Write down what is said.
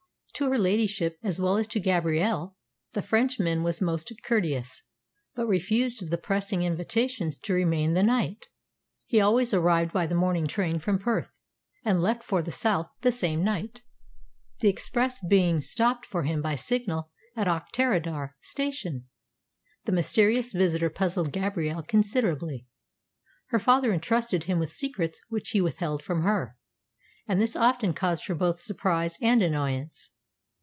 To her ladyship, as well as to Gabrielle, the Frenchman was most courteous, but refused the pressing invitations to remain the night. He always arrived by the morning train from Perth, and left for the south the same night, the express being stopped for him by signal at Auchterarder station. The mysterious visitor puzzled Gabrielle considerably. Her father entrusted him with secrets which he withheld from her, and this often caused her both surprise and annoyance.